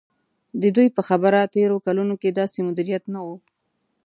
د دوی په خبره تېرو کلونو کې داسې مدیریت نه و.